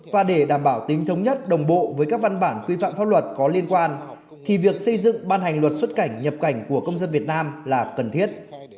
và để đảm bảo tính thống nhất đồng bộ với các văn bản quy phạm pháp luật có liên quan thì việc xây dựng ban hành luật xuất cảnh nhập cảnh của công dân việt nam là cần thiết